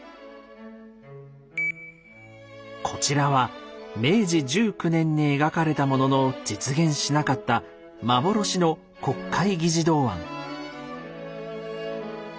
こちらは明治１９年に描かれたものの実現しなかった幻の国会議事堂案。